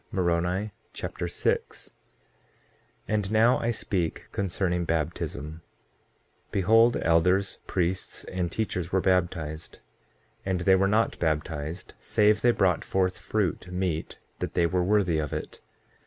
Moroni Chapter 6 6:1 And now I speak concerning baptism. Behold, elders, priests, and teachers were baptized; and they were not baptized save they brought forth fruit meet that they were worthy of it.